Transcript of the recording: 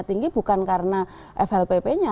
tinggi bukan karena flpp nya